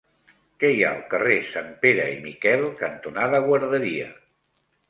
Què hi ha al carrer Sanpere i Miquel cantonada Guarderia?